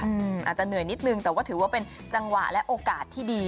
อาจจะเหนื่อยนิดนึงแต่ว่าถือว่าเป็นจังหวะและโอกาสที่ดี